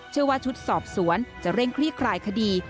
ว่าชุดสอบสวนจะเร่งคลี่คลายคดี